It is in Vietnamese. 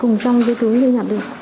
cùng trong cái túi tôi nhặt đi